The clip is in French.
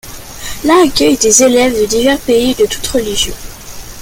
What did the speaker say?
La accueille des élèves de divers pays et de toutes religions.